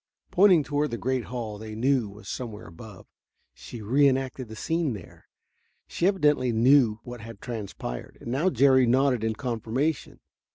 Pointing toward the great hall they knew was somewhere above, she reenacted the scene there; she evidently knew what had transpired. And now Jerry nodded in confirmation.